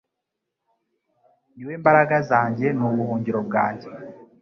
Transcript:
Ni we mbaraga zanjye n’ubuhungiro bwanjye